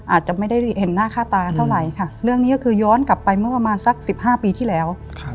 อาจจะไม่ได้เห็นหน้าค่าตากันเท่าไหร่ค่ะเรื่องนี้ก็คือย้อนกลับไปเมื่อประมาณสัก๑๕ปีที่แล้ว